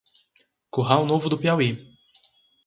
Curral Novo do Piauí